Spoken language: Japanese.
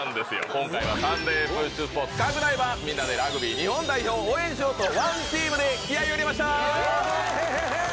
今回は『サンデーＰＵＳＨスポーツ』拡大版、みんなでラグビー日本代表を応援しようということでＯＮＥＴＥＡＭで気合いを入れました。